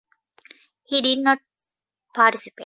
He did not participate.